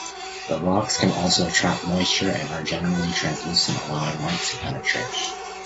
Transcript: The rocks can also trap moisture and are generally translucent allowing light to penetrate.